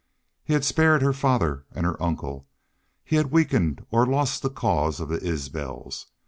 He had spared her father and her uncle. He had weakened or lost the cause of the Isbels.